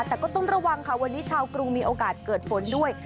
แต่ก็ต้องระวังค่ะวันนี้ชาวกรุงมีโอกาสเกิดฝนด้วย